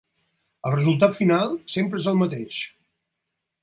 El resultat final sempre és el mateix.